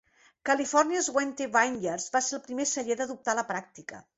California's Wente Vineyards va ser el primer celler d'adoptar la pràctica.